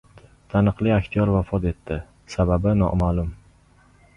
Taniqli aktyor vafot etdi. Sababi noma’lum